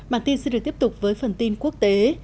bản tin sẽ được tiếp tục với phần tin quốc tế